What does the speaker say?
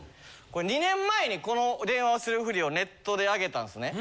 ２年前にこの『電話をしてるふり』をネットであげたんですね。